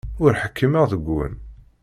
Ur ḥkimeɣ deg-wen.